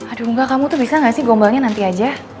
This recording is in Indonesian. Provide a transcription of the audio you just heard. aduh enggak kamu tuh bisa gak sih gombalnya nanti aja